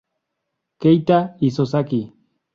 Keita Isozaki